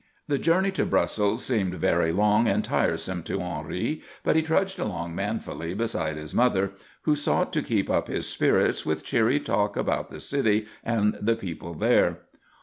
The journey to Brussels seemed very long and tiresome to Henri, but he trudged along manfully beside his mother, who sought to keep up his spirits with cheery talk about the city and the people there.